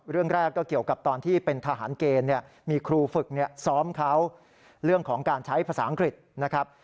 เรื่องแรกก็เกี่ยวกับตอนที่เป็นทหารเกณฑ์เนี่ยมีครูฝึกซ้อมเขาเรื่องของการใช้ภาษาอังกฤษนะครับ